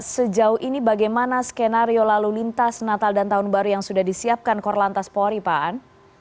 sejauh ini bagaimana skenario lalu lintas natal dan tahun baru yang sudah disiapkan korlantas polri pak an